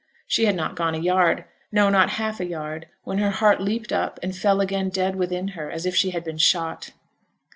She had not gone a yard no, not half a yard when her heart leaped up and fell again dead within her, as if she had been shot.